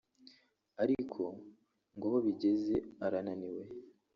ariko ngo aho bigeze arananiwe